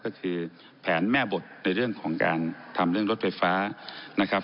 ก็คือแผนแม่บทในเรื่องของการทำเรื่องรถไฟฟ้านะครับ